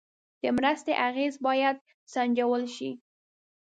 د مرستې اغېز باید سنجول شي.